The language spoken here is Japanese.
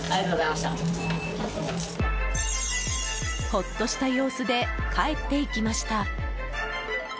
ほっとした様子で帰っていきました。